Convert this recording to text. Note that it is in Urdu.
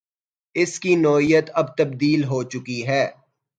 اس کی نوعیت اب تبدیل ہو چکی ہے۔